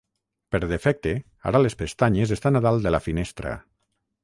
Per defecte, ara les pestanyes estan a dalt de la finestra.